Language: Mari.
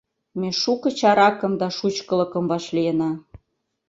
Ме шуко чаракым да шучкылыкым вашлийына.